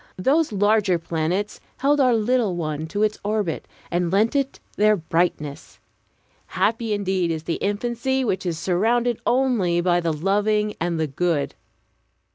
Those larger planets held our little one to its orbit, and lent it their brightness. Happy indeed is the infancy which is surrounded only by the loving and the good!